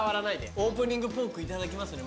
オープニングポークいただきますね。